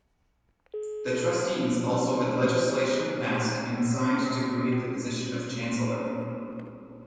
The trustees also had legislation passed and signed to create the position of chancellor.